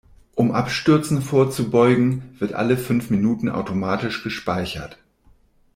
Um Abstürzen vorzubeugen, wird alle fünf Minuten automatisch gespeichert.